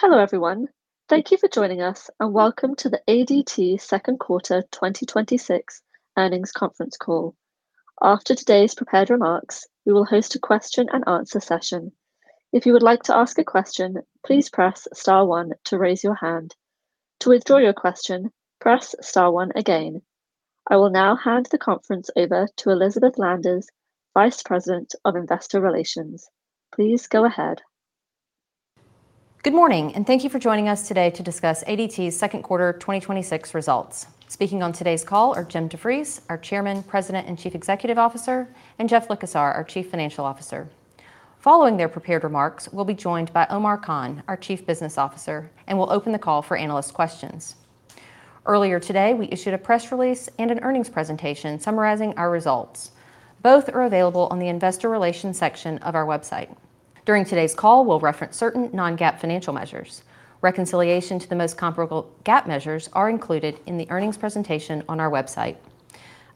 Hello, everyone. Thank you for joining us, welcome to the ADT second quarter 2026 earnings conference call. After today's prepared remarks, we will host a question and answer session. If you would like to ask a question, please press star one to raise your hand. To withdraw your question, press star one again. I will now hand the conference over to Elizabeth Landers, Vice President of Investor Relations. Please go ahead. Good morning, thank you for joining us today to discuss ADT's second quarter 2026 results. Speaking on today's call are Jim DeVries, our Chairman, President, and Chief Executive Officer, and Jeff Likosar, our Chief Financial Officer. Following their prepared remarks, we'll be joined by Omar Khan, our Chief Business Officer, we'll open the call for analyst questions. Earlier today, we issued a press release and an earnings presentation summarizing our results. Both are available on the investor relations section of our website. During today's call, we'll reference certain non-GAAP financial measures. Reconciliation to the most comparable GAAP measures are included in the earnings presentation on our website.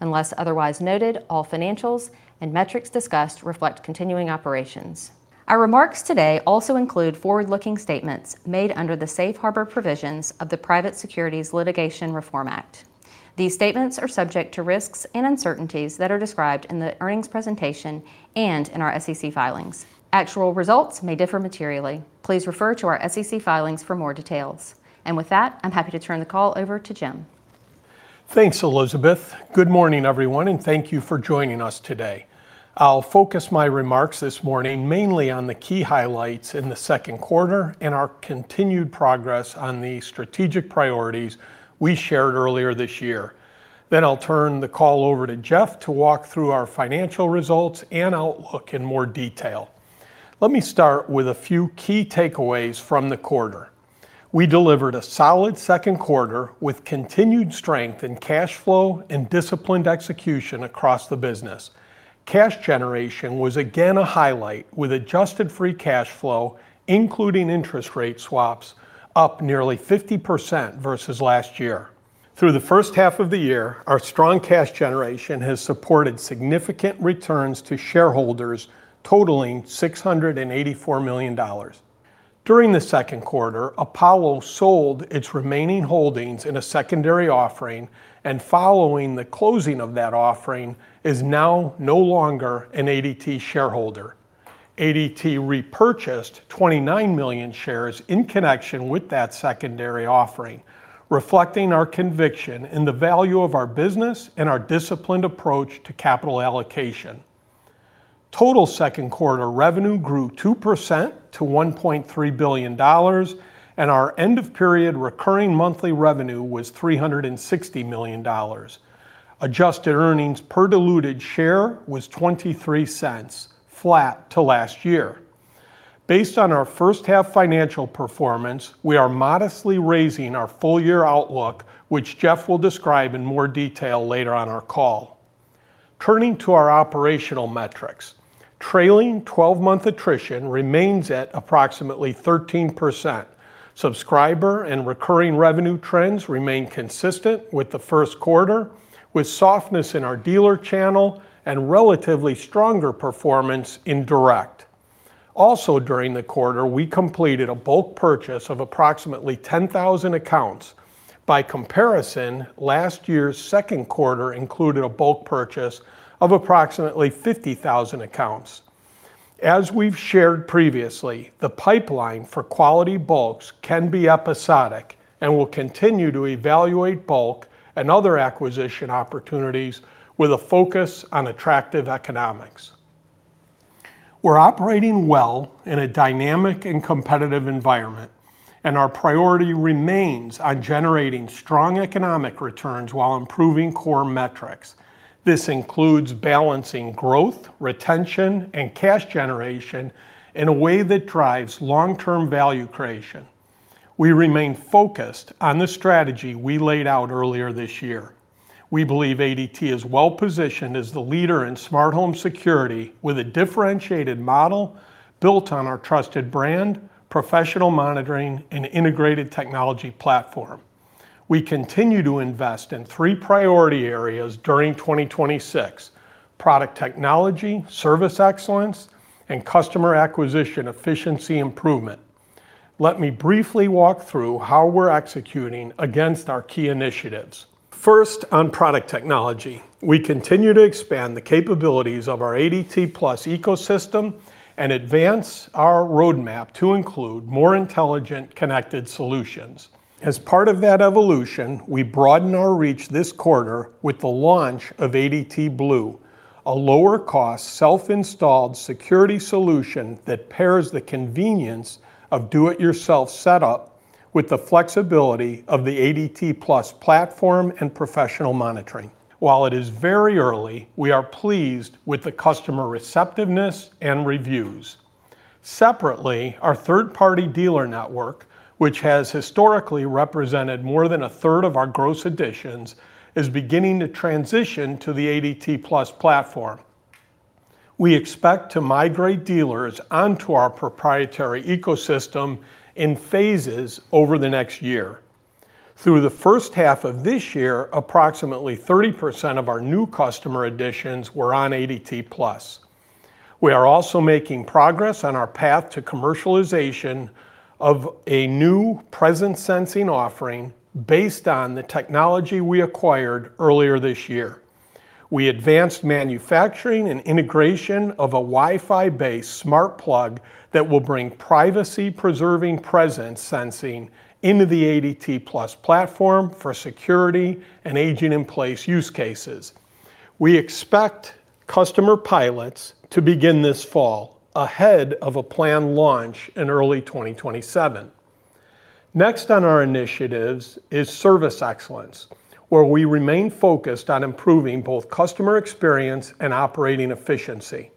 Unless otherwise noted, all financials and metrics discussed reflect continuing operations. Our remarks today also include forward-looking statements made under the safe harbor provisions of the Private Securities Litigation Reform Act. These statements are subject to risks and uncertainties that are described in the earnings presentation and in our SEC filings. Actual results may differ materially. Please refer to our SEC filings for more details. With that, I'm happy to turn the call over to Jim. Thanks, Elizabeth. Good morning, everyone, thank you for joining us today. I'll focus my remarks this morning mainly on the key highlights in the second quarter and our continued progress on the strategic priorities we shared earlier this year. I'll turn the call over to Jeff to walk through our financial results and outlook in more detail. Let me start with a few key takeaways from the quarter. We delivered a solid second quarter with continued strength in cash flow and disciplined execution across the business. Cash generation was again a highlight, with adjusted free cash flow, including interest rate swaps, up nearly 50% versus last year. Through the first half of the year, our strong cash generation has supported significant returns to shareholders totaling $684 million. During the second quarter, Apollo sold its remaining holdings in a secondary offering, and following the closing of that offering, is now no longer an ADT shareholder. ADT repurchased 29 million shares in connection with that secondary offering, reflecting our conviction in the value of our business and our disciplined approach to capital allocation. Total second quarter revenue grew 2% to $1.3 billion, and our end-of-period recurring monthly revenue was $360 million. Adjusted earnings per diluted share was $0.23, flat to last year. Based on our first half financial performance, we are modestly raising our full year outlook, which Jeff will describe in more detail later on our call. Turning to our operational metrics. Trailing 12-month attrition remains at approximately 13%. Subscriber and recurring revenue trends remain consistent with the first quarter, with softness in our dealer channel and relatively stronger performance in direct. Also during the quarter, we completed a bulk purchase of approximately 10,000 accounts. By comparison, last year's second quarter included a bulk purchase of approximately 50,000 accounts. As we've shared previously, the pipeline for quality bulks can be episodic, we'll continue to evaluate bulk and other acquisition opportunities with a focus on attractive economics. We're operating well in a dynamic and competitive environment, and our priority remains on generating strong economic returns while improving core metrics. This includes balancing growth, retention, and cash generation in a way that drives long-term value creation. We remain focused on the strategy we laid out earlier this year. We believe ADT is well-positioned as the leader in smart home security, with a differentiated model built on our trusted brand, professional monitoring, and integrated technology platform. We continue to invest in three priority areas during 2026: product technology, service excellence, and customer acquisition efficiency improvement. Let me briefly walk through how we're executing against our key initiatives. First, on product technology. We continue to expand the capabilities of our ADT+ ecosystem and advance our roadmap to include more intelligent, connected solutions. As part of that evolution, we broadened our reach this quarter with the launch of ADT Blu, a lower-cost, self-installed security solution that pairs the convenience of do it yourself setup with the flexibility of the ADT+ platform and professional monitoring. While it is very early, we are pleased with the customer receptiveness and reviews. Separately, our third-party dealer network, which has historically represented more than a third of our gross additions, is beginning to transition to the ADT+ platform. We expect to migrate dealers onto our proprietary ecosystem in phases over the next year. Through the first half of this year, approximately 30% of our new customer additions were on ADT+. We are also making progress on our path to commercialization of a new presence sensing offering based on the technology we acquired earlier this year. We advanced manufacturing and integration of a Wi-Fi based smart plug that will bring privacy preserving presence sensing into the ADT+ platform for security and aging in place use cases. We expect customer pilots to begin this fall ahead of a planned launch in early 2027. Next on our initiatives is service excellence, where we remain focused on improving both customer experience and operating efficiency.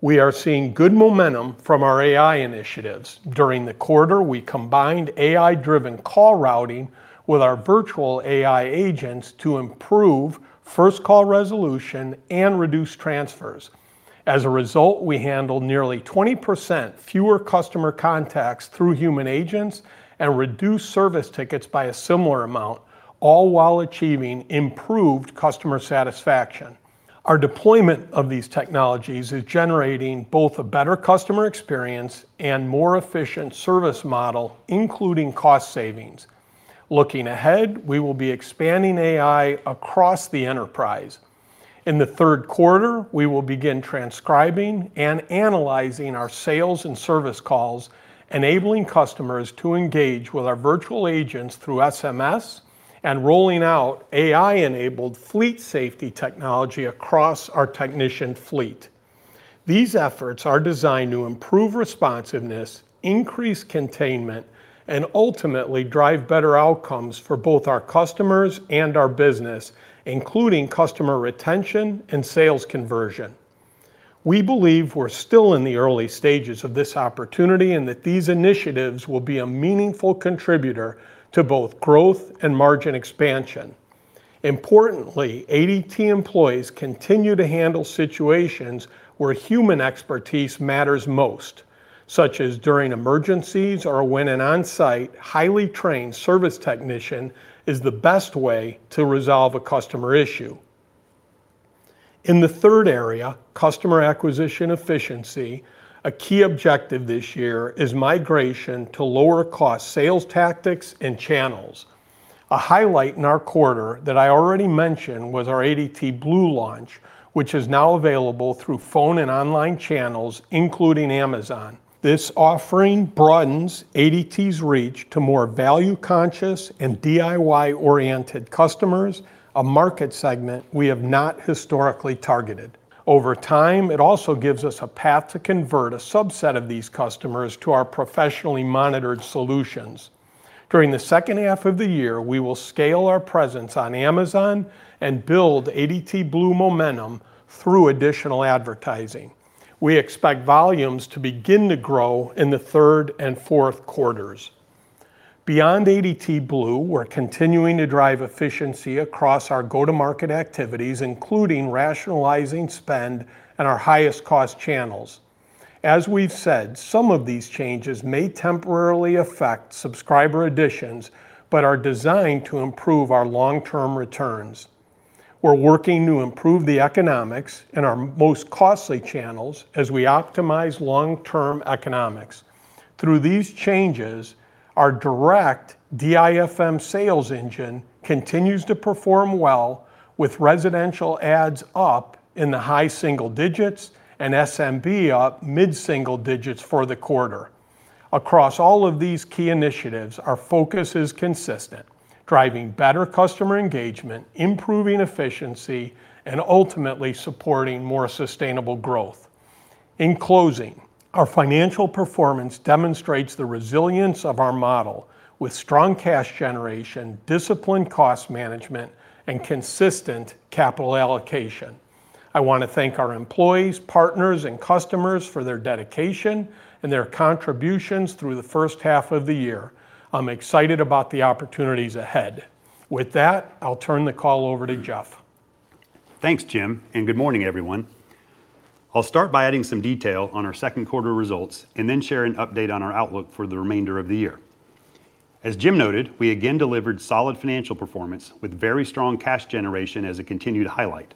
We are seeing good momentum from our AI initiatives. During the quarter, we combined AI-driven call routing with our virtual AI agents to improve first call resolution and reduce transfers. As a result, we handled nearly 20% fewer customer contacts through human agents and reduced service tickets by a similar amount, all while achieving improved customer satisfaction. Our deployment of these technologies is generating both a better customer experience and more efficient service model, including cost savings. Looking ahead, we will be expanding AI across the enterprise. In the third quarter, we will begin transcribing and analyzing our sales and service calls, enabling customers to engage with our virtual agents through SMS and rolling out AI-enabled fleet safety technology across our technician fleet. These efforts are designed to improve responsiveness, increase containment, and ultimately drive better outcomes for both our customers and our business, including customer retention and sales conversion. We believe we're still in the early stages of this opportunity, and that these initiatives will be a meaningful contributor to both growth and margin expansion. Importantly, ADT employees continue to handle situations where human expertise matters most, such as during emergencies or when an on-site, highly trained service technician is the best way to resolve a customer issue. In the third area, customer acquisition efficiency, a key objective this year is migration to lower cost sales tactics and channels. A highlight in our quarter that I already mentioned was our ADT Blu launch, which is now available through phone and online channels, including Amazon. This offering broadens ADT's reach to more value conscious and DIY-oriented customers, a market segment we have not historically targeted. Over time, it also gives us a path to convert a subset of these customers to our professionally monitored solutions. During the second half of the year, we will scale our presence on Amazon and build ADT Blu momentum through additional advertising. We expect volumes to begin to grow in the third and fourth quarters. Beyond ADT Blu, we're continuing to drive efficiency across our go-to-market activities, including rationalizing spend and our highest cost channels. As we've said, some of these changes may temporarily affect subscriber additions but are designed to improve our long-term returns. We're working to improve the economics in our most costly channels as we optimize long-term economics. Through these changes, our direct DIFM sales engine continues to perform well, with residential adds up in the high single digits and SMB up mid-single digits for the quarter. Across all of these key initiatives, our focus is consistent, driving better customer engagement, improving efficiency, and ultimately supporting more sustainable growth. In closing, our financial performance demonstrates the resilience of our model with strong cash generation, disciplined cost management, and consistent capital allocation. I want to thank our employees, partners, and customers for their dedication and their contributions through the first half of the year. I'm excited about the opportunities ahead. With that, I'll turn the call over to Jeff. Thanks, Jim, and good morning, everyone. I'll start by adding some detail on our second quarter results and then share an update on our outlook for the remainder of the year. As Jim noted, we again delivered solid financial performance with very strong cash generation as a continued highlight.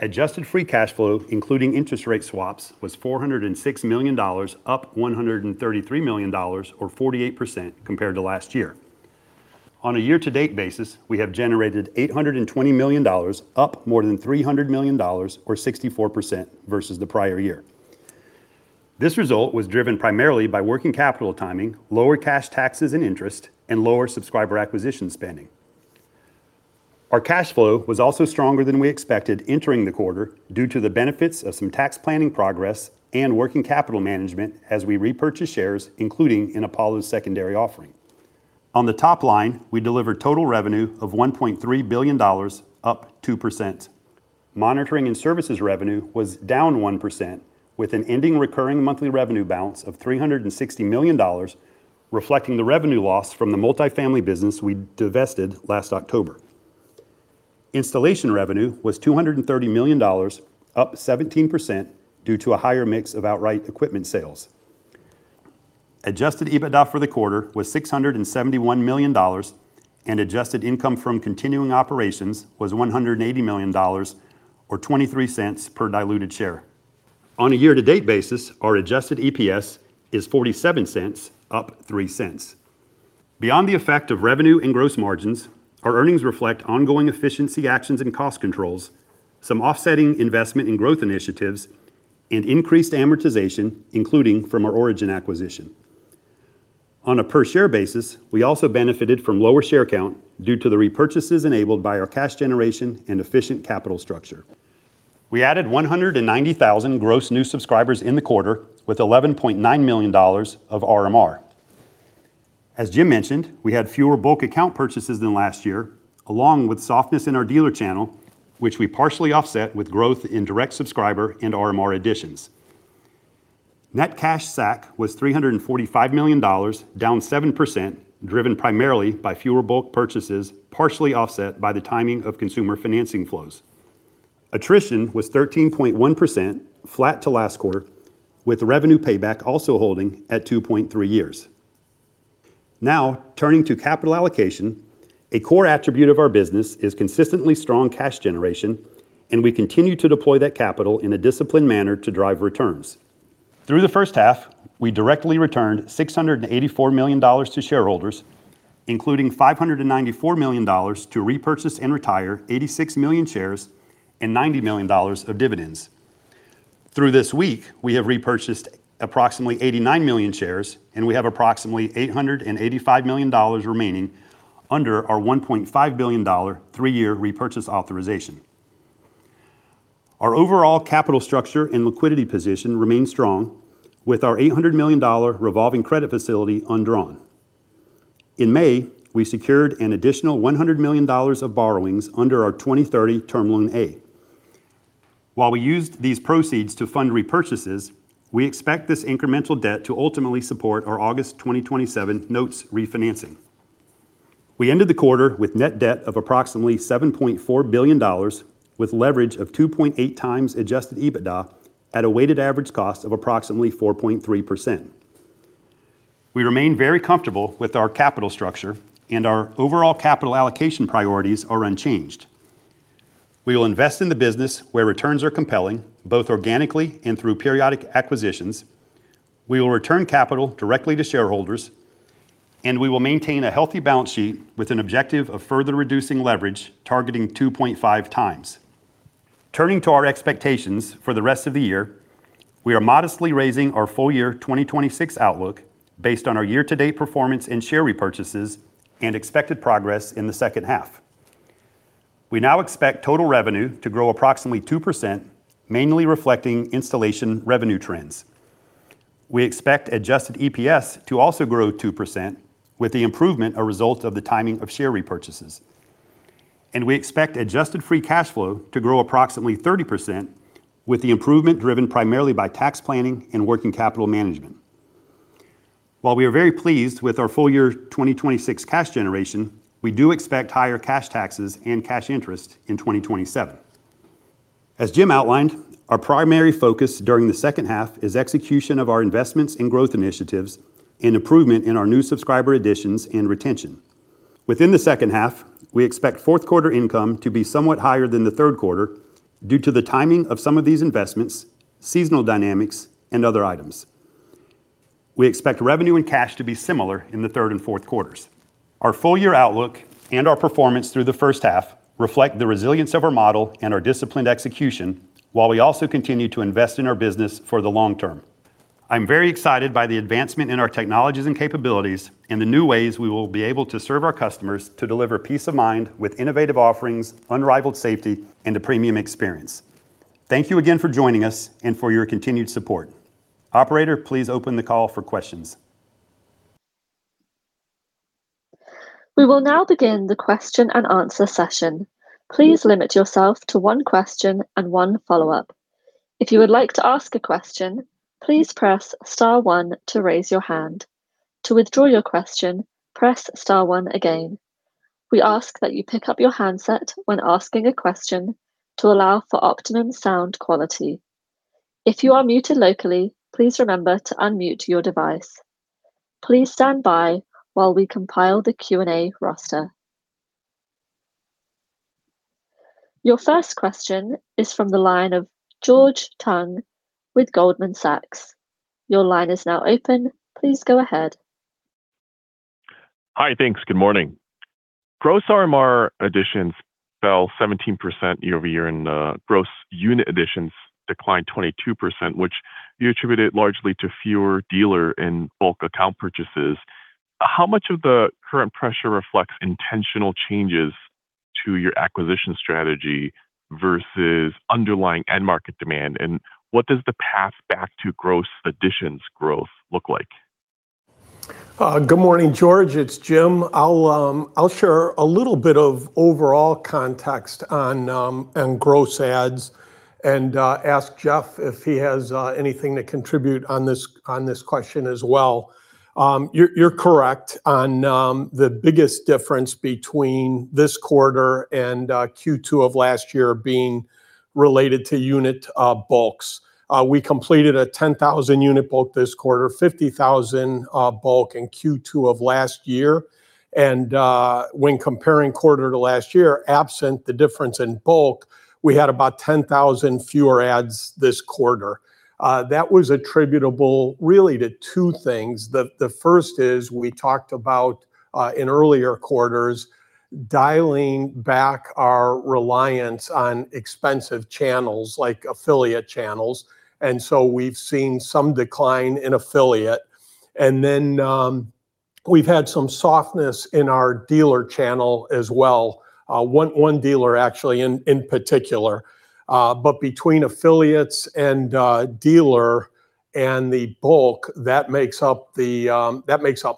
Adjusted free cash flow, including interest rate swaps, was $406 million, up $133 million, or 48% compared to last year. On a year-to-date basis, we have generated $820 million, up more than $300 million, or 64%, versus the prior year. This result was driven primarily by working capital timing, lower cash taxes and interest, and lower subscriber acquisition spending. Our cash flow was also stronger than we expected entering the quarter due to the benefits of some tax planning progress and working capital management as we repurchase shares, including in Apollo's secondary offering. On the top line, we delivered total revenue of $1.3 billion, up 2%. Monitoring and services revenue was down 1%, with an ending recurring monthly revenue balance of $360 million, reflecting the revenue loss from the multifamily business we divested last October. Installation revenue was $230 million, up 17%, due to a higher mix of outright equipment sales. Adjusted EBITDA for the quarter was $671 million, and adjusted income from continuing operations was $180 million, or $0.23 per diluted share. On a year-to-date basis, our adjusted EPS is $0.47, up $0.03. Beyond the effect of revenue and gross margins, our earnings reflect ongoing efficiency actions and cost controls, some offsetting investment in growth initiatives, and increased amortization, including from our Origin acquisition. On a per-share basis, we also benefited from lower share count due to the repurchases enabled by our cash generation and efficient capital structure. We added 190,000 gross new subscribers in the quarter with $11.9 million of RMR. As Jim mentioned, we had fewer bulk account purchases than last year, along with softness in our dealer channel, which we partially offset with growth in direct subscriber and RMR additions. Net cash SAC was $345 million, down 7%, driven primarily by fewer bulk purchases, partially offset by the timing of consumer financing flows. Attrition was 13.1%, flat to last quarter, with revenue payback also holding at 2.3 years. Turning to capital allocation, a core attribute of our business is consistently strong cash generation, and we continue to deploy that capital in a disciplined manner to drive returns. Through the first half, we directly returned $684 million to shareholders, including $594 million to repurchase and retire 86 million shares and $90 million of dividends. Through this week, we have repurchased approximately 89 million shares, and we have approximately $885 million remaining under our $1.5 billion three-year repurchase authorization. Our overall capital structure and liquidity position remain strong, with our $800 million revolving credit facility undrawn. In May, we secured an additional $100 million of borrowings under our 2030 Term Loan A. While we used these proceeds to fund repurchases, we expect this incremental debt to ultimately support our August 2027 notes refinancing. We ended the quarter with net debt of approximately $7.4 billion, with leverage of 2.8 times adjusted EBITDA at a weighted average cost of approximately 4.3%. We remain very comfortable with our capital structure, and our overall capital allocation priorities are unchanged. We will invest in the business where returns are compelling, both organically and through periodic acquisitions. We will return capital directly to shareholders, we will maintain a healthy balance sheet with an objective of further reducing leverage, targeting 2.5 times. Turning to our expectations for the rest of the year, we are modestly raising our full year 2026 outlook based on our year-to-date performance and share repurchases and expected progress in the second half. We now expect total revenue to grow approximately 2%, mainly reflecting installation revenue trends. We expect adjusted EPS to also grow 2%, with the improvement a result of the timing of share repurchases. We expect adjusted free cash flow to grow approximately 30%, with the improvement driven primarily by tax planning and working capital management. While we are very pleased with our full year 2026 cash generation, we do expect higher cash taxes and cash interest in 2027. As Jim outlined, our primary focus during the second half is execution of our investments in growth initiatives and improvement in our new subscriber additions and retention. Within the second half, we expect fourth quarter income to be somewhat higher than the third quarter due to the timing of some of these investments, seasonal dynamics, and other items. We expect revenue and cash to be similar in the third and fourth quarters. Our full year outlook and our performance through the first half reflect the resilience of our model and our disciplined execution, while we also continue to invest in our business for the long term. I'm very excited by the advancement in our technologies and capabilities and the new ways we will be able to serve our customers to deliver peace of mind with innovative offerings, unrivaled safety, and a premium experience. Thank you again for joining us and for your continued support. Operator, please open the call for questions. We will now begin the question-and-answer session. Please limit yourself to one question and one follow-up. If you would like to ask a question, please press star one to raise your hand. To withdraw your question, press star one again. We ask that you pick up your handset when asking a question to allow for optimum sound quality. If you are muted locally, please remember to unmute your device. Please stand by while we compile the Q&A roster. Your first question is from the line of George Tong with Goldman Sachs. Your line is now open. Please go ahead. Hi. Thanks. Good morning. Gross RMR additions fell 17% year-over-year, and gross unit additions declined 22%, which you attributed largely to fewer dealer and bulk account purchases. How much of the current pressure reflects intentional changes to your acquisition strategy versus underlying end market demand? What does the path back to gross additions growth look like? Good morning, George. It's Jim. I'll share a little bit of overall context on gross adds and ask Jeff if he has anything to contribute on this question as well. You're correct on the biggest difference between this quarter and Q2 of last year being related to unit bulks. We completed a 10,000-unit bulk this quarter, 50,000 bulk in Q2 of last year. When comparing quarter to last year, absent the difference in bulk, we had about 10,000 fewer adds this quarter. That was attributable really to two things. The first is we talked about, in earlier quarters, dialing back our reliance on expensive channels like affiliate channels, we've seen some decline in affiliate. Then we've had some softness in our dealer channel as well, one dealer actually in particular. Between affiliates and dealer and the bulk, that makes up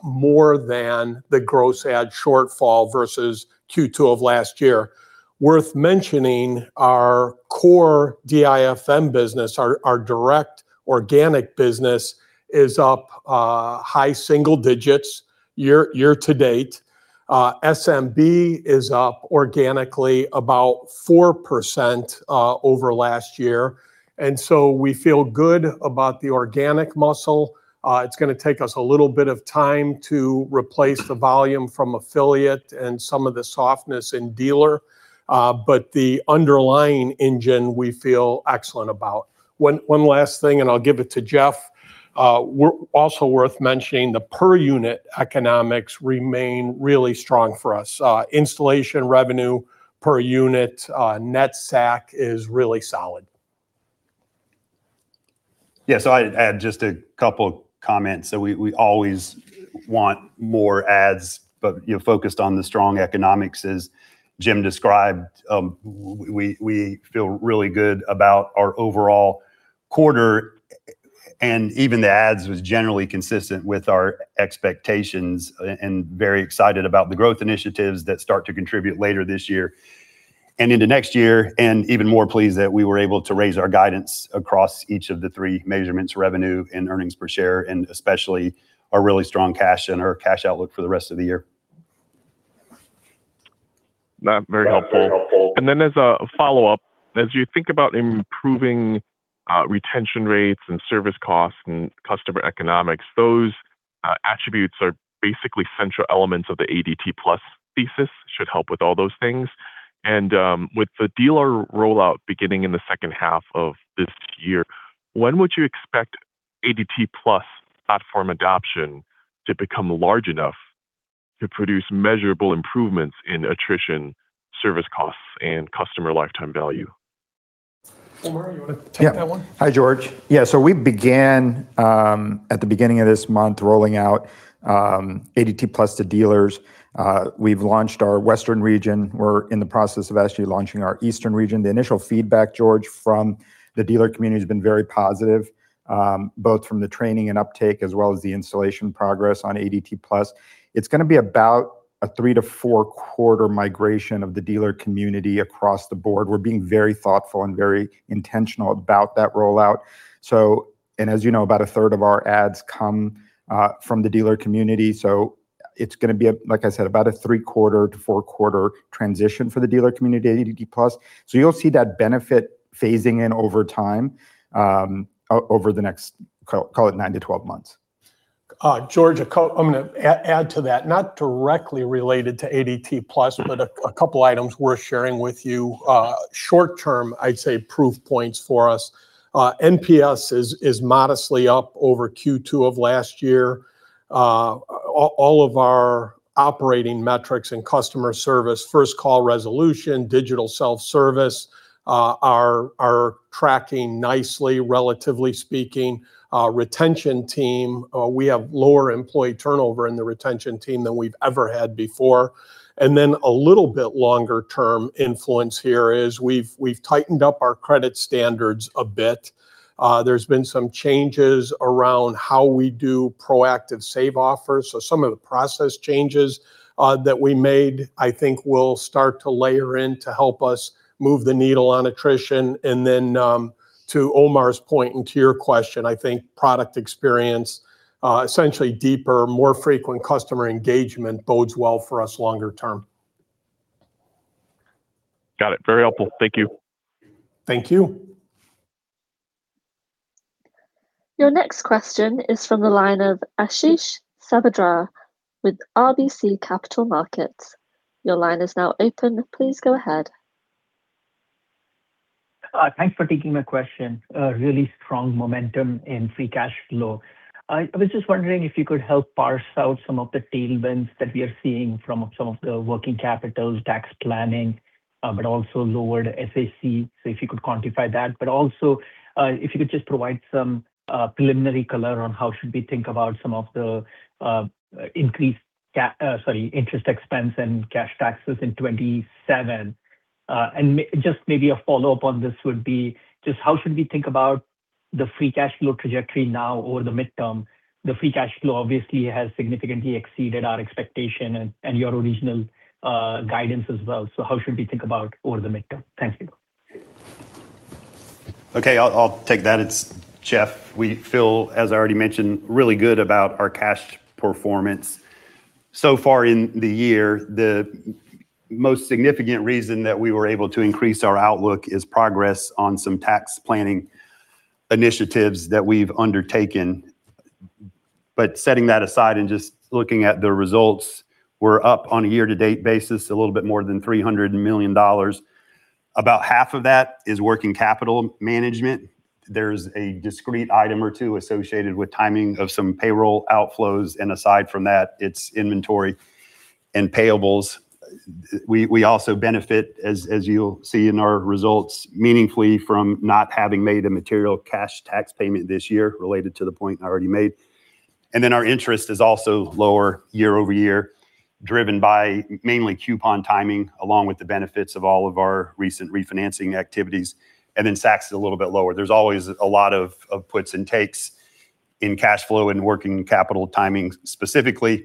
more than the gross add shortfall versus Q2 of last year. Worth mentioning, our core DIFM business, our direct organic business is up high single digits year to date. SMB is up organically about 4% over last year. We feel good about the organic muscle. It's going to take us a little bit of time to replace the volume from affiliate and some of the softness in dealer, but the underlying engine we feel excellent about. One last thing, and I'll give it to Jeff. Also worth mentioning, the per unit economics remain really strong for us. Installation revenue per unit net SAC is really solid. Yeah. I'd add just a couple comments. We always want more adds, but focused on the strong economics, as Jim described. We feel really good about our overall quarter and even the adds was generally consistent with our expectations, and very excited about the growth initiatives that start to contribute later this year and into next year, and even more pleased that we were able to raise our guidance across each of the three measurements, revenue and earnings per share, and especially our really strong cash and our cash outlook for the rest of the year. Then as a follow-up, as you think about improving retention rates and service costs and customer economics, those attributes are basically central elements of the ADT+ thesis, should help with all those things. With the dealer rollout beginning in the second half of this year, when would you expect ADT+ platform adoption to become large enough to produce measurable improvements in attrition, service costs, and customer lifetime value? Omar, you want to take that one? Hi, George. We began at the beginning of this month rolling out ADT+ to dealers. We've launched our Western region. We're in the process of actually launching our Eastern region. The initial feedback, George, from the dealer community has been very positive, both from the training and uptake as well as the installation progress on ADT+. It's going to be about a three to four quarter migration of the dealer community across the board. We're being very thoughtful and very intentional about that rollout. As you know, about a third of our adds come from the dealer community, it's going to be, like I said, about a three quarter to four quarter transition for the dealer community to ADT+. You'll see that benefit phasing in over time, over the next, call it 9 to 12 months. George, I'm going to add to that, not directly related to ADT+, but a couple items worth sharing with you. Short term, I'd say proof points for us. NPS is modestly up over Q2 of last year. All of our operating metrics and customer service, first call resolution, digital self-service, are tracking nicely, relatively speaking. Retention team, we have lower employee turnover in the retention team than we've ever had before. Then a little bit longer term influence here is we've tightened up our credit standards a bit. There's been some changes around how we do proactive save offers. Some of the process changes that we made, I think, will start to layer in to help us move the needle on attrition. Then to Omar's point and to your question, I think product experience, essentially deeper, more frequent customer engagement bodes well for us longer term. Got it. Very helpful. Thank you. Thank you. Your next question is from the line of Ashish Sabadra with RBC Capital Markets. Your line is now open. Please go ahead. Thanks for taking my question. Really strong momentum in free cash flow. I was just wondering if you could help parse out some of the tailwinds that we are seeing from some of the working capital tax planning, also lowered SAC. If you could quantify that, also, if you could just provide some preliminary color on how should we think about some of the increased, sorry, interest expense and cash taxes in 2027. Just maybe a follow-up on this would be just how should we think about the free cash flow trajectory now over the midterm, the free cash flow obviously has significantly exceeded our expectation and your original guidance as well. How should we think about over the midterm? Thank you. Okay, I'll take that. It's Jeff. We feel, as I already mentioned, really good about our cash performance. So far in the year, the most significant reason that we were able to increase our outlook is progress on some tax planning initiatives that we've undertaken. Setting that aside and just looking at the results, we're up on a year-to-date basis a little bit more than $300 million. About half of that is working capital management. There's a discrete item or two associated with timing of some payroll outflows, and aside from that, it's inventory and payables. We also benefit, as you'll see in our results, meaningfully from not having made a material cash tax payment this year related to the point I already made. Our interest is also lower year-over-year, driven by mainly coupon timing, along with the benefits of all of our recent refinancing activities, and then SAC's a little bit lower. There's always a lot of puts and takes in cash flow and working capital timing specifically.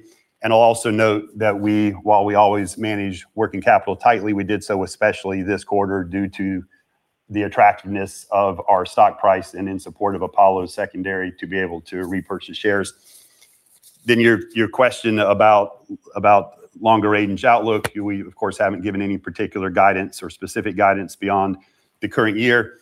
I'll also note that while we always manage working capital tightly, we did so especially this quarter due to the attractiveness of our stock price and in support of Apollo secondary to be able to repurchase shares. Your question about longer range outlook, we of course haven't given any particular guidance or specific guidance beyond the current year.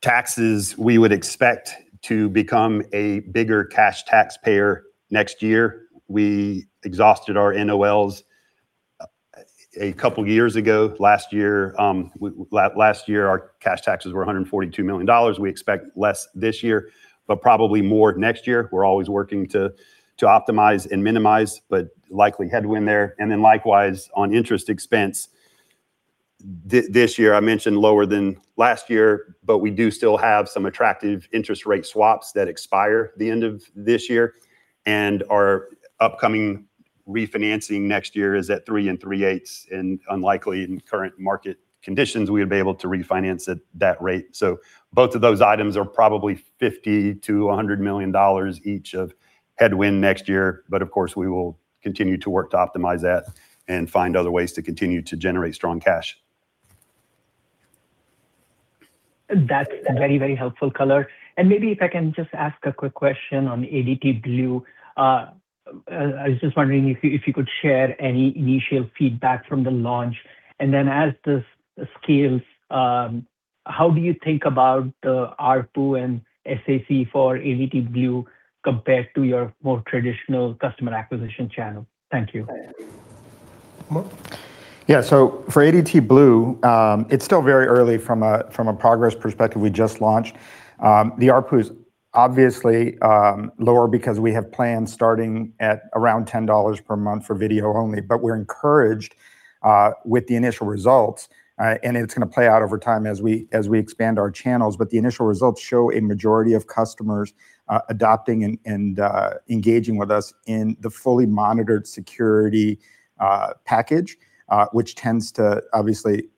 Taxes, we would expect to become a bigger cash taxpayer next year. We exhausted our NOLs a couple years ago. Last year our cash taxes were $142 million. We expect less this year, but probably more next year. We're always working to optimize and minimize, likely headwind there. Likewise on interest expense, this year I mentioned lower than last year, but we do still have some attractive interest rate swaps that expire the end of this year. Our upcoming refinancing next year is at three and three eighths, unlikely in current market conditions we would be able to refinance at that rate. Both of those items are probably $50 million-$100 million each of headwind next year, of course, we will continue to work to optimize that and find other ways to continue to generate strong cash. That's very helpful color. Maybe if I can just ask a quick question on ADT Blu. I was just wondering if you could share any initial feedback from the launch, as this scales, how do you think about the ARPU and SAC for ADT Blu compared to your more traditional customer acquisition channel? Thank you. Omar? Yeah. For ADT Blu, it's still very early from a progress perspective. We just launched. The ARPU's obviously lower because we have plans starting at around $10 per month for video only. We're encouraged with the initial results, and it's going to play out over time as we expand our channels. The initial results show a majority of customers adopting and engaging with us in the fully monitored security package, which tends to obviously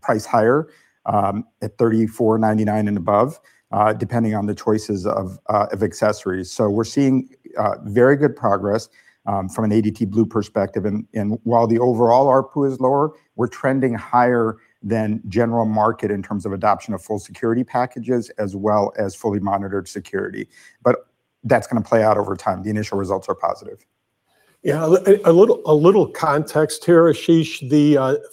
price higher at $34.99 and above, depending on the choices of accessories. We're seeing very good progress from an ADT Blu perspective. While the overall ARPU is lower, we're trending higher than general market in terms of adoption of full security packages as well as fully monitored security. That's going to play out over time. The initial results are positive. Yeah, a little context here, Ashish.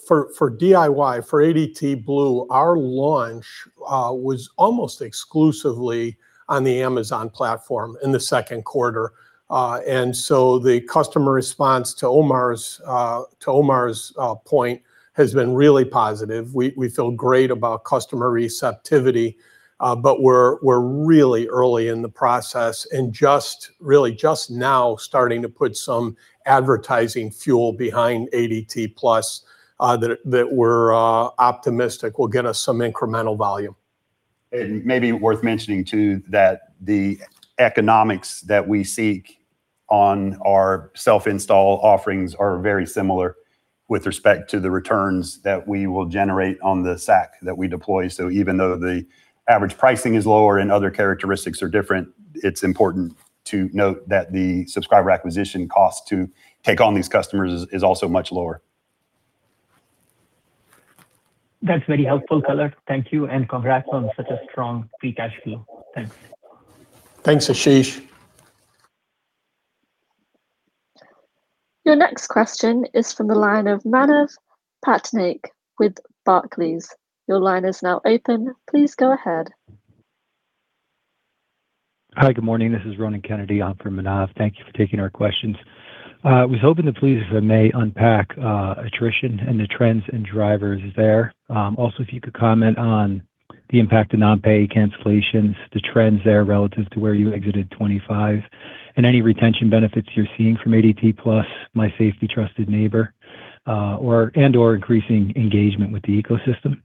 For DIY, for ADT Blu, our launch was almost exclusively on the Amazon platform in the second quarter. The customer response, to Omar's point, has been really positive. We feel great about customer receptivity, but we're really early in the process and just now starting to put some advertising fuel behind ADT+, that we're optimistic will get us some incremental volume. Maybe worth mentioning, too, that the economics that we seek on our self-install offerings are very similar with respect to the returns that we will generate on the SAC that we deploy. Even though the average pricing is lower and other characteristics are different, it's important to note that the subscriber acquisition cost to take on these customers is also much lower. That's very helpful color. Thank you, and congrats on such a strong free cash flow. Thanks. Thanks, Ashish. Your next question is from the line of Manav Patnaik with Barclays. Your line is now open. Please go ahead. Hi, good morning. This is Ronan Kennedy on for Manav. Thank you for taking our questions. I was hoping to please, if I may, unpack attrition and the trends and drivers there. Also if you could comment on the impact of non-pay cancellations, the trends there relative to where you exited 2025, and any retention benefits you're seeing from ADT+, My Safety, Trusted Neighbor, and/or increasing engagement with the ecosystem.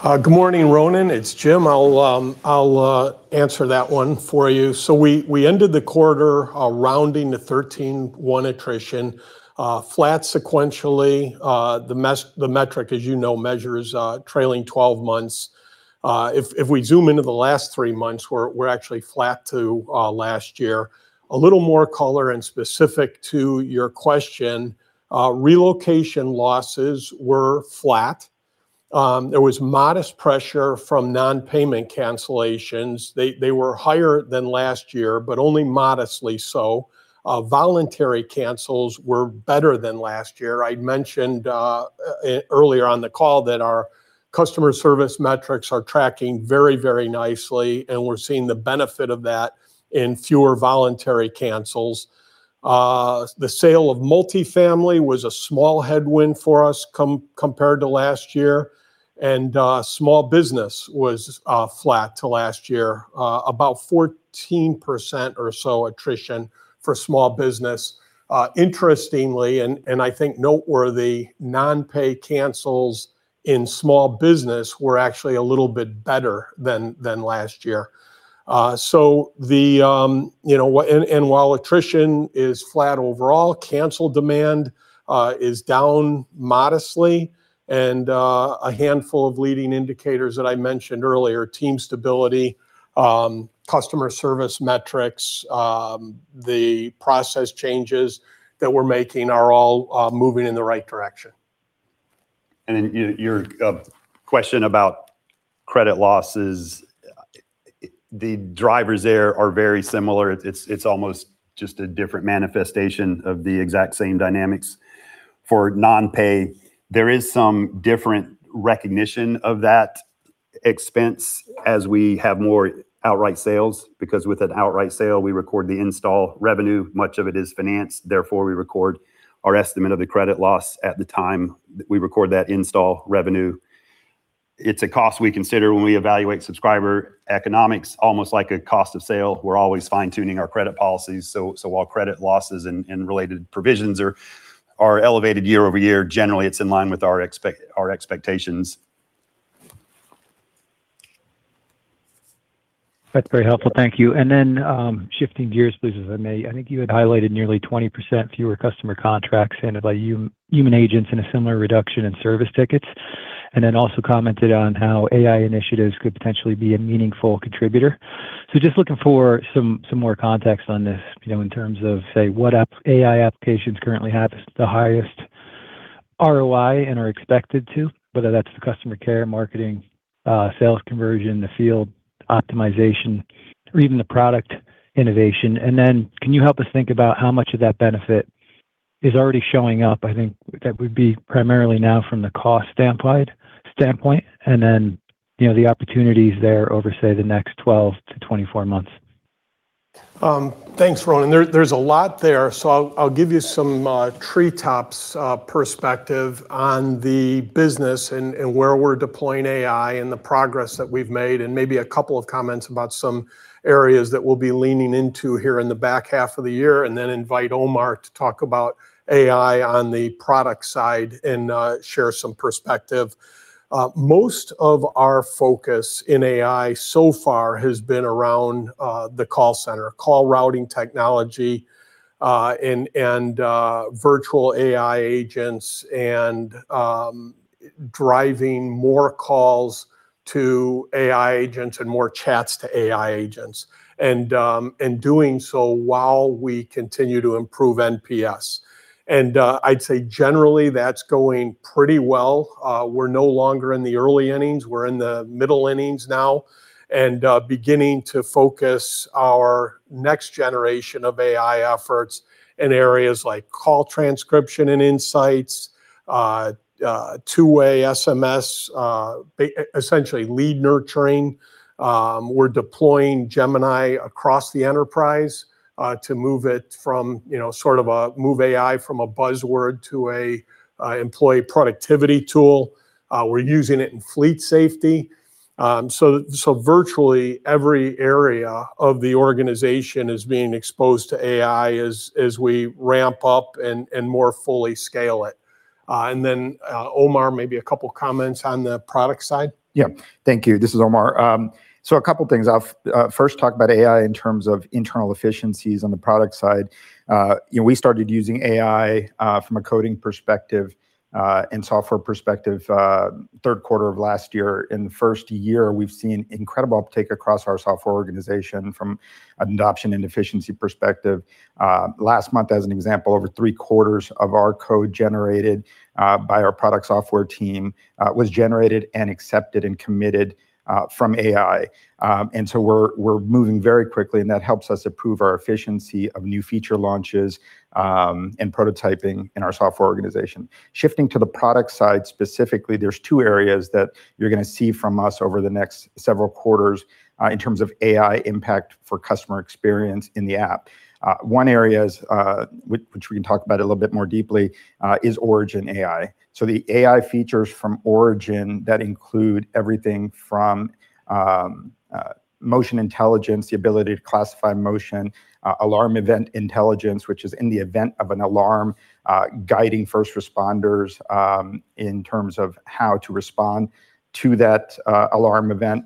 Good morning, Ronan. It's Jim. I'll answer that one for you. We ended the quarter rounding to 13.1 attrition, flat sequentially. The metric, as you know, measures trailing 12 months. If we zoom into the last three months, we're actually flat to last year. A little more color and specific to your question, relocation losses were flat. There was modest pressure from non-payment cancellations. They were higher than last year, but only modestly so. Voluntary cancels were better than last year. I mentioned earlier on the call that our customer service metrics are tracking very nicely, and we're seeing the benefit of that in fewer voluntary cancels. The sale of multifamily was a small headwind for us compared to last year, and small business was flat to last year, about 14% or so attrition for small business. Interestingly, I think noteworthy, non-pay cancels in small business were actually a little bit better than last year. While attrition is flat overall, cancel demand is down modestly and a handful of leading indicators that I mentioned earlier, team stability, customer service metrics, the process changes that we're making are all moving in the right direction. Your question about credit losses, the drivers there are very similar. It's almost just a different manifestation of the exact same dynamics. For non-pay, there is some different recognition of that expense as we have more outright sales, because with an outright sale, we record the install revenue. Much of it is financed, therefore, we record our estimate of the credit loss at the time that we record that install revenue. It's a cost we consider when we evaluate subscriber economics, almost like a cost of sale. We're always fine-tuning our credit policies, so while credit losses and related provisions are elevated year-over-year, generally it's in line with our expectations. That's very helpful. Thank you. Shifting gears please, as I may, I think you had highlighted nearly 20% fewer customer contracts ended by human agents and a similar reduction in service tickets, and also commented on how AI initiatives could potentially be a meaningful contributor. Just looking for some more context on this, in terms of, say, what AI applications currently have the highest ROI and are expected to, whether that's the customer care, marketing, sales conversion, the field optimization, or even the product innovation. Then can you help us think about how much of that benefit is already showing up? I think that would be primarily now from the cost standpoint, and the opportunities there over, say, the next 12 to 24 months. Thanks, Ronan. There's a lot there. I'll give you some treetops perspective on the business and where we're deploying AI and the progress that we've made, and maybe a couple of comments about some areas that we'll be leaning into here in the back half of the year and then invite Omar to talk about AI on the product side and share some perspective. Most of our focus in AI so far has been around the call center, call routing technology, and virtual AI agents and driving more calls to AI agents and more chats to AI agents, and doing so while we continue to improve NPS. I'd say generally that's going pretty well. We're no longer in the early innings. We're in the middle innings now, beginning to focus our next generation of AI efforts in areas like call transcription and insights, two-way SMS, essentially lead nurturing. We're deploying Gemini across the enterprise, to move AI from a buzzword to an employee productivity tool. We're using it in fleet safety. Virtually every area of the organization is being exposed to AI as we ramp up and more fully scale it. Omar, maybe a couple of comments on the product side. Thank you. This is Omar. A couple of things. I'll first talk about AI in terms of internal efficiencies on the product side. We started using AI from a coding perspective and software perspective, third quarter of last year. In the first year, we've seen incredible uptake across our software organization from an adoption and efficiency perspective. Last month, as an example, over three-quarters of our code generated by our product software team was generated and accepted and committed from AI. We're moving very quickly, and that helps us improve our efficiency of new feature launches and prototyping in our software organization. Shifting to the product side, specifically, there's two areas that you're going to see from us over the next several quarters in terms of AI impact for customer experience in the app. One area, which we can talk about a little bit more deeply, is Origin AI. The AI features from Origin that include everything from motion intelligence, the ability to classify motion, alarm event intelligence, which is in the event of an alarm, guiding first responders in terms of how to respond to that alarm event,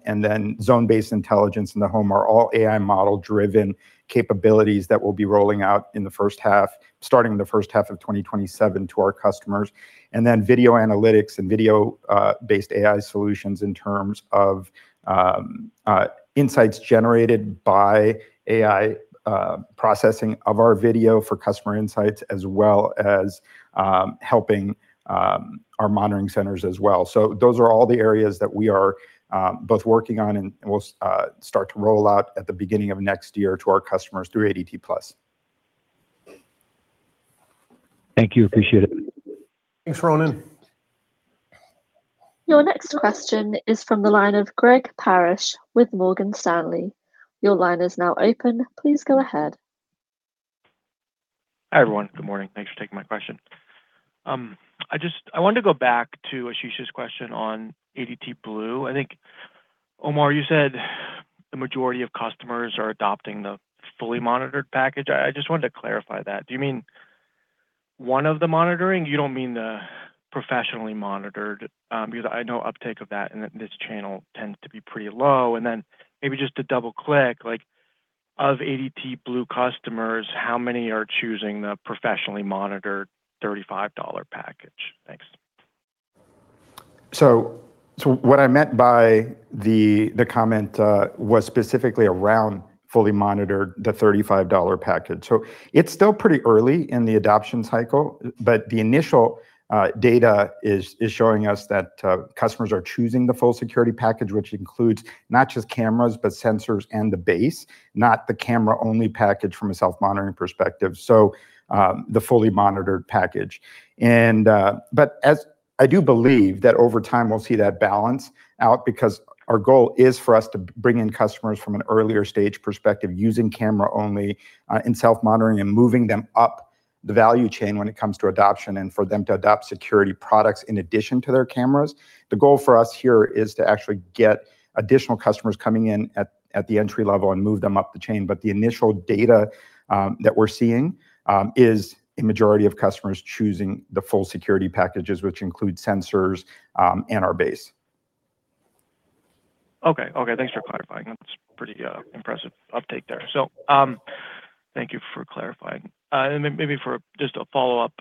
zone-based intelligence in the home are all AI model-driven capabilities that we'll be rolling out starting in the first half of 2027 to our customers. Video analytics and video-based AI solutions in terms of insights generated by AI processing of our video for customer insights, as well as helping our monitoring centers as well. Those are all the areas that we are both working on, and we'll start to roll out at the beginning of next year to our customers through ADT+ Thank you. Appreciate it. Thanks, Ronan. Your next question is from the line of Greg Parrish with Morgan Stanley. Your line is now open. Please go ahead. Hi, everyone. Good morning. Thanks for taking my question. I wanted to go back to Ashish's question on ADT Blu. I think, Omar, you said the majority of customers are adopting the fully monitored package. I just wanted to clarify that. Do you mean one of the monitoring? You don't mean the professionally monitored, because I know uptake of that in this channel tends to be pretty low. Then maybe just to double-click, of ADT Blu customers, how many are choosing the professionally monitored $35 package? Thanks. What I meant by the comment was specifically around fully monitored, the $35 package. It's still pretty early in the adoption cycle, but the initial data is showing us that customers are choosing the full security package, which includes not just cameras, but sensors and the base, not the camera-only package from a self-monitoring perspective. The fully monitored package. I do believe that over time, we'll see that balance out because our goal is for us to bring in customers from an earlier stage perspective using camera-only and self-monitoring and moving them up the value chain when it comes to adoption and for them to adopt security products in addition to their cameras. The goal for us here is to actually get additional customers coming in at the entry level and move them up the chain. The initial data that we're seeing is a majority of customers choosing the full security packages, which include sensors and our base. Thank you for clarifying. That's pretty impressive uptake there. Thank you for clarifying. Maybe for just a follow-up,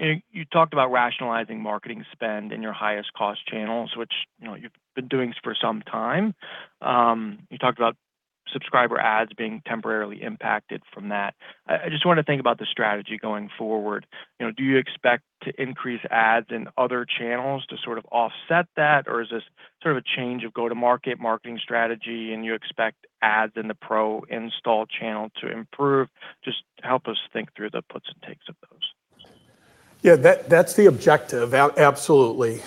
you talked about rationalizing marketing spend in your highest cost channels, which you've been doing for some time. You talked about subscriber ads being temporarily impacted from that. I just want to think about the strategy going forward. Do you expect to increase ads in other channels to sort of offset that? Or is this sort of a change of go-to-market marketing strategy and you expect ads in the pro install channel to improve? Just help us think through the puts and takes of those. Yeah, that's the objective. Absolutely.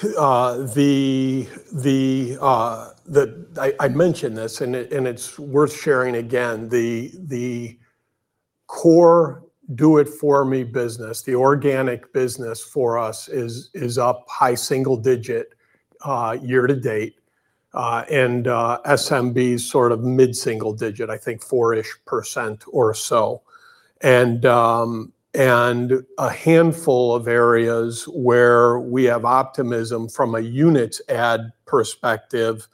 I mentioned this and it's worth sharing again. The core DIFM business, the organic business for us is up high single-digit year-to-date. SMB is sort of mid-single-digit, I think 4-ish% or so. A handful of areas where we have optimism from a unit ad perspective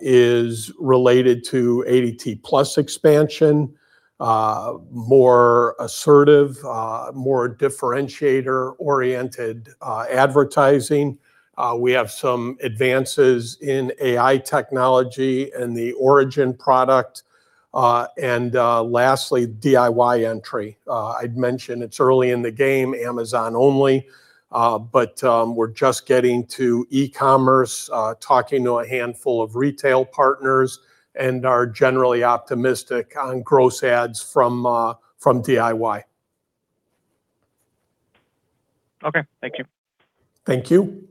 is related to ADT+ expansion, more assertive, more differentiator-oriented advertising. We have some advances in AI technology and the Origin AI product. Lastly, DIY entry. I'd mentioned it's early in the game, Amazon only, but we're just getting to e-commerce, talking to a handful of retail partners and are generally optimistic on gross ads from DIY. Okay. Thank you. Thank you.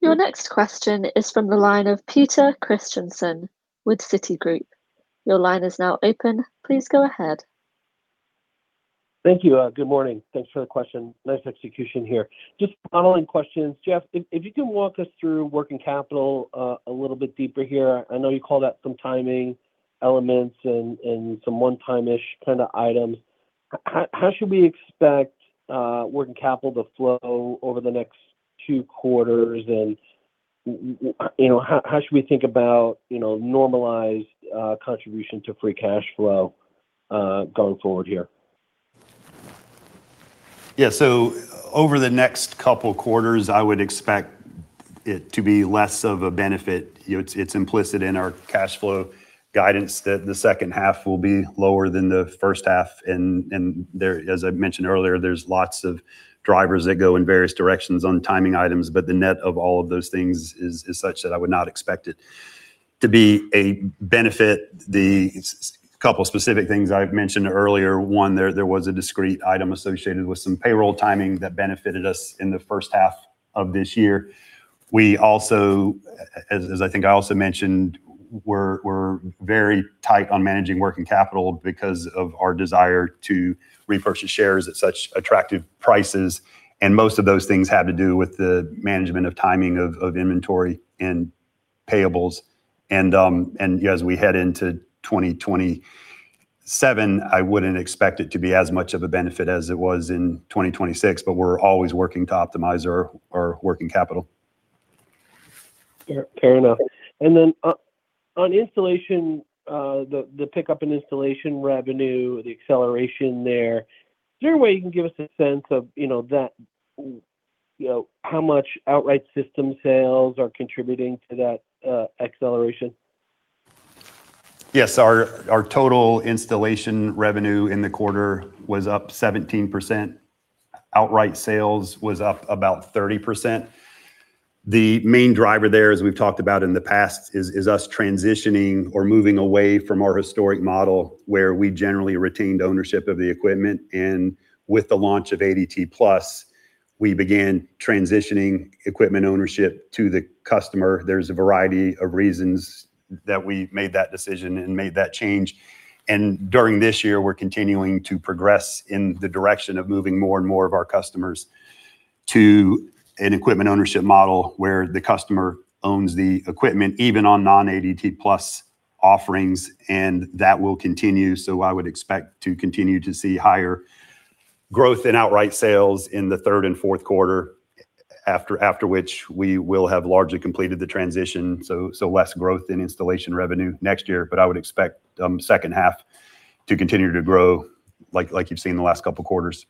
Your next question is from the line of Peter Christiansen with Citigroup. Your line is now open. Please go ahead. Thank you. Good morning. Thanks for the question. Nice execution here. Just following questions. Jeff, if you can walk us through working capital a little bit deeper here. I know you called out some timing elements and some one-time-ish kind of items. How should we expect working capital to flow over the next two quarters? How should we think about normalized contribution to free cash flow going forward here? Yeah. Over the next couple quarters, I would expect it to be less of a benefit. It's implicit in our cash flow guidance that the second half will be lower than the first half, and as I mentioned earlier, there's lots of drivers that go in various directions on timing items, but the net of all of those things is such that I would not expect it to be a benefit. The couple specific things I've mentioned earlier, one, there was a discrete item associated with some payroll timing that benefited us in the first half of this year. We also, as I think I also mentioned, we're very tight on managing working capital because of our desire to repurchase shares at such attractive prices, and most of those things have to do with the management of timing of inventory and payables. As we head into 2027, I wouldn't expect it to be as much of a benefit as it was in 2026, but we're always working to optimize our working capital. Fair enough. On installation, the pickup in installation revenue, the acceleration there, is there a way you can give us a sense of how much outright system sales are contributing to that acceleration? Yes. Our total installation revenue in the quarter was up 17%. Outright sales was up about 30%. The main driver there, as we've talked about in the past, is us transitioning or moving away from our historic model, where we generally retained ownership of the equipment. With the launch of ADT Plus, we began transitioning equipment ownership to the customer. There's a variety of reasons that we made that decision and made that change, and during this year, we're continuing to progress in the direction of moving more and more of our customers to an equipment ownership model where the customer owns the equipment, even on non-ADT Plus offerings, and that will continue. I would expect to continue to see higher growth in outright sales in the third and fourth quarter. After which, we will have largely completed the transition, less growth in installation revenue next year, I would expect second half to continue to grow like you've seen the last couple of quarters.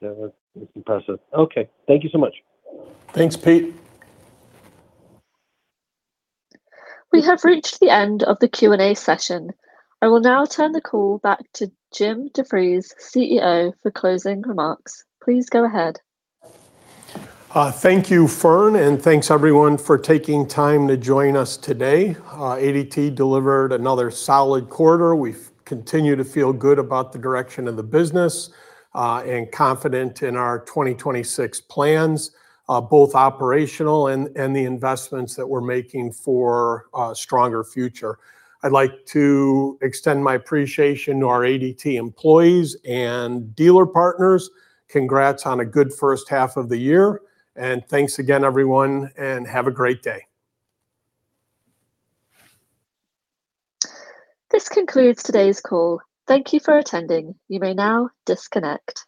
That was impressive. Thank you so much. Thanks, Pete. We have reached the end of the Q&A session. I will now turn the call back to Jim DeVries, CEO, for closing remarks. Please go ahead. Thank you, Fern, and thanks, everyone, for taking time to join us today. ADT delivered another solid quarter. We continue to feel good about the direction of the business, and confident in our 2026 plans, both operational and the investments that we're making for a stronger future. I'd like to extend my appreciation to our ADT employees and dealer partners. Congrats on a good first half of the year, thanks again, everyone, and have a great day. This concludes today's call. Thank you for attending. You may now disconnect.